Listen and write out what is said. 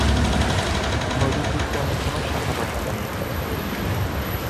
নদীটির তেমন কোনো শাখা-প্রশাখা নেই।